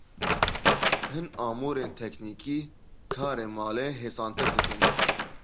Hin amûrên teknîkî karê malê hêsantir dikin.